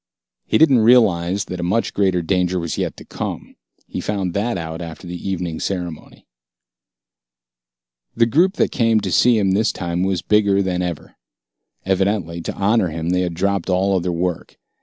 He didn't realize that a much greater danger was yet to come. He found that out after the evening ceremony. The group that came to see him this time was bigger than ever. Evidently, to honor him they had dropped all other work.